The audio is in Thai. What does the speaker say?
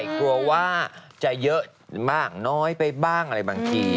กลัวว่าจะเยอะมากน้อยไปบ้างอะไรบางที